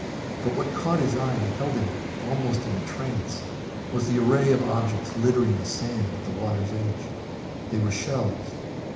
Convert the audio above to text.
But what caught his eye and held him almost in a trance was the array of objects littering the sand at the water's edge. They were shells.